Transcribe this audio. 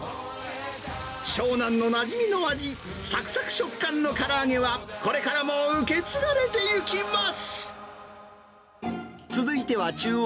湘南のなじみの味、さくさく食感のから揚げは、これからも受け継がれていきます。